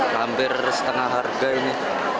hampir setengah harga ini